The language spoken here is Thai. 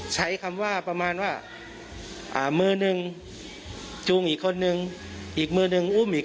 ใช้คำว่าประมาณว่าอ่ามือหนึ่งจูงอีกคนนึงอีกมือหนึ่งอุ้มอีก